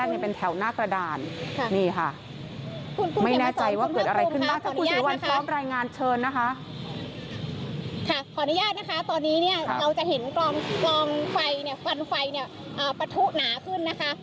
ขออนุญาตนะคะตอนนี้เราจะเห็นกลองฟันไฟปะทุหนาขึ้นนะคะ